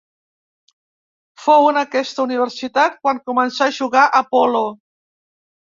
Fou en aquesta universitat quan començà a jugar a polo.